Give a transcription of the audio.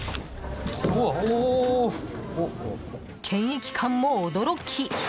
検疫官も驚き。